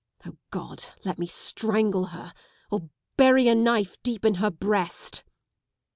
O God! let me strangle her. Or bury a knife deep in her breast."